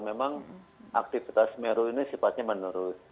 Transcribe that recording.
memang aktivitas semeru ini sifatnya menurun